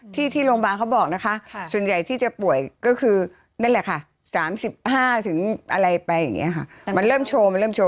ที่ที่โรงพยาบาลเขาบอกนะคะส่วนใหญ่ที่จะป่วยก็คือนั่นแหละค่ะ๓๕ถึงอะไรไปอย่างนี้ค่ะมันเริ่มโชว์มันเริ่มโว